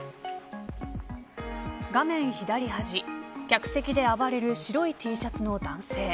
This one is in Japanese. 画面左端客席で暴れる白いＴシャツの男性。